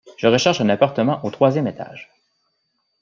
Je recherche un appartement au troisième étage.